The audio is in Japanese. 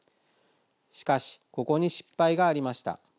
しかし、ここに失敗がありました。